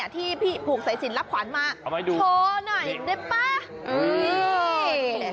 ที่พี่ผูกสายสินรับขวัญมาโชว์หน่อยได้ป่ะ